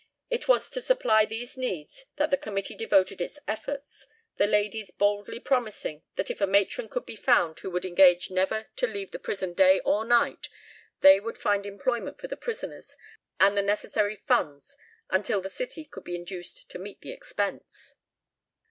It was to supply these needs that the committee devoted its efforts, the ladies boldly promising that if a matron could be found who would engage never to leave the prison day or night, they would find employment for the prisoners and the necessary funds until the city could be induced to meet the expense.